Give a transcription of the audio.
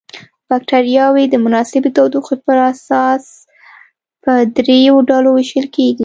بکټریاوې د مناسبې تودوخې پر اساس په دریو ډلو ویشل کیږي.